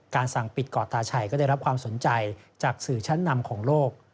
สั่งปิดเกาะตาชัยก็ได้รับความสนใจจากสื่อชั้นนำของโลก